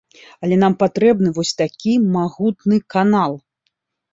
Але нам патрэбны вось такі магутны канал.